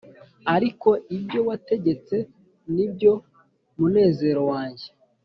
Ariko ibyo wategetse nibyo munezero wanjye